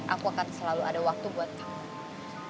aku akan selalu ada waktu buat tim